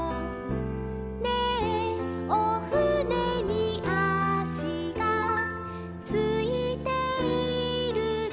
「ねぇおふねにあしがついているの」